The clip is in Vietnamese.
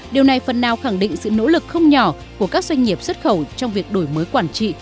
điều này phần nào khẳng định sự nỗ lực không nhỏ của các doanh nghiệp xuất khẩu trong việc đổi mới quản trị